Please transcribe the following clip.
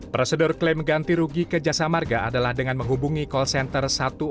prosedur klaim ganti rugi ke jasa marga adalah dengan menghubungi call center empat belas